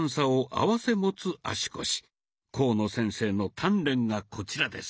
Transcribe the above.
甲野先生の鍛錬がこちらです。